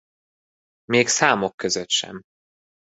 Még számok között sem.